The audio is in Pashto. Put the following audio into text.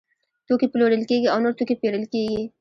توکي پلورل کیږي او نور توکي پیرل کیږي.